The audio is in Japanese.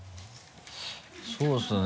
そうですね。